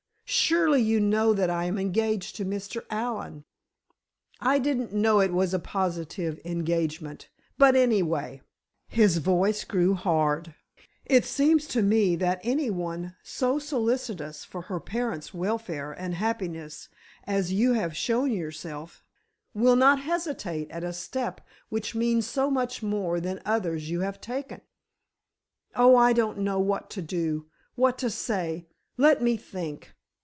Surely you know that I am engaged to Mr. Allen." "I didn't know it was a positive engagement—but, anyway," his voice grew hard, "it seems to me that any one so solicitous for her parents' welfare and happiness as you have shown yourself, will not hesitate at a step which means so much more than others you have taken." "Oh, I don't know what to do—what to say—let me think."